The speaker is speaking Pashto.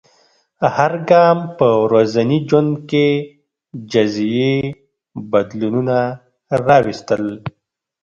هر ګام په ورځني ژوند کې جزیي بدلونونه راوستل.